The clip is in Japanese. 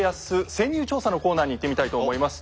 潜入調査のコーナーにいってみたいと思います。